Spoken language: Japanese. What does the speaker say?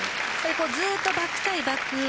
ずっとバック対バック。